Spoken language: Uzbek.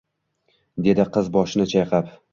dedi qiz boshini chayqab